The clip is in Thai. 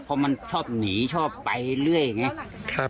เพราะมันชอบหนีชอบไปเรื่อยไง